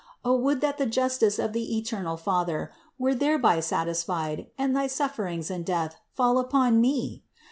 O would that the justice of the eternal Father were thereby satisfied and thy sufferings and death fall upon me!